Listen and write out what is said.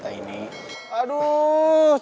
memang pen maiden